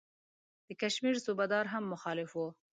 د کشمیر صوبه دار هم مخالف وو.